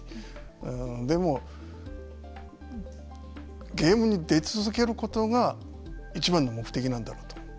でもゲームに出続けることがいちばんの目的なんだろうと。